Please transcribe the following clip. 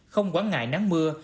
không quán ngại nắng mưa